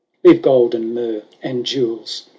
" Leave gold and myrrh and jewels.